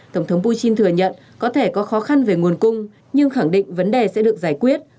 tổng thống putin thừa nhận có thể có khó khăn về nguồn cung nhưng khẳng định vấn đề sẽ được giải quyết